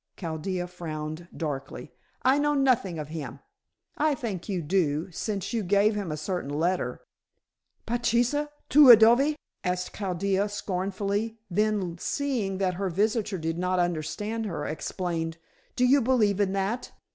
Chaldea frowned darkly. "I know nothing of him." "I think you do, since you gave him a certain letter." "Patchessa tu adove?" asked Chaldea scornfully; then, seeing that her visitor did not understand her, explained: "Do you believe in that?"